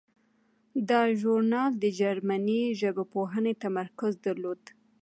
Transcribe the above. دا ژورنال د جرمني ژبپوهنې تمرکز درلود.